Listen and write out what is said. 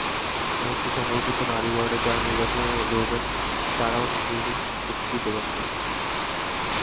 এমনকি সংরক্ষিত নারী ওয়ার্ডে যাঁরা নির্বাচনে লড়বেন, তাঁরাও নিজের ভোটটি দেবেন না।